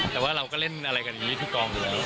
แต่ว่าเราก็เล่นอะไรกันอย่างนี้ทุกกองอยู่แล้ว